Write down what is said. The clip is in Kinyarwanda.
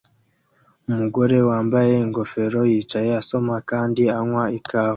Umugore wambaye ingofero yicaye asoma kandi anywa ikawa